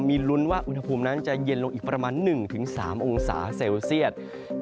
มีลุ้นว่าอุณหภูมินั้นจะเย็นลงอีกประมาณ๑๓องศาเซลเซียต